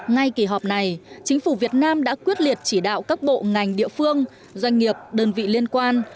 ngay kỳ họp này chính phủ việt nam đã quyết liệt chỉ đạo các bộ ngành địa phương doanh nghiệp đơn vị liên quan